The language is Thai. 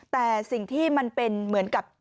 แต่สิ่งที่มันเป็นเหมือนกับ